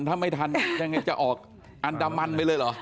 ถ้าไม่ทันจะออกอัณตมันไปเลยเหรอ